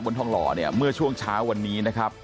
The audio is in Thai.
ทองหล่อเนี่ยเมื่อช่วงเช้าวันนี้นะครับ